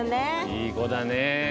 いい子だね。